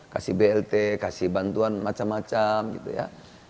kasih blt kasih bantuan macam macam gitu ya